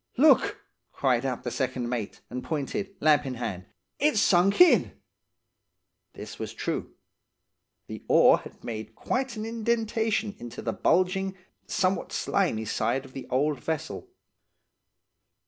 "'Look!' cried out the second mate, and pointed, lamp in hand. 'It's sunk in!' "This was true. The oar had made quite an indentation into the bulging, somewhat slimy side of the old vessel.